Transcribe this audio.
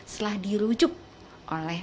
setelah dirujuk oleh